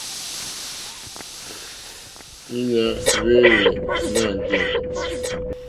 Íɲá hwéyè nâŋɡɛ̂.